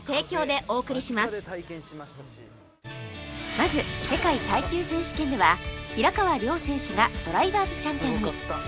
まず世界耐久選手権では平川亮選手がドライバーズチャンピオンに